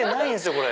これ。